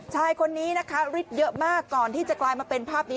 ชายคนนี้ลิสต์เยอะมากก่อนที่จะกลายมาเป็นภาพบุรูปภาพนี้